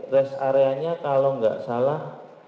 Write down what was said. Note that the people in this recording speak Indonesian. res areanya kalau gak salah